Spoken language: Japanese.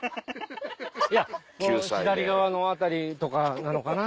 いや左側の辺りとかなのかな。